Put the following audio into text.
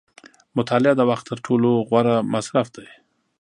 • مطالعه د وخت تر ټولو غوره مصرف دی.